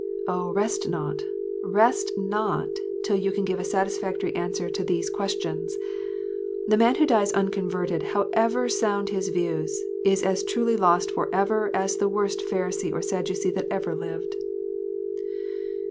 0, rest not, rest not, till you can give a satisfactory answer to these questions ! The man who dies unconverted, however sound his views, is as truly lost for ever as the worst Pharisee or Sadducee that ever lived.